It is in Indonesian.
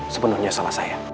sebenarnya salah saya